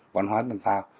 văn hóa tâm phao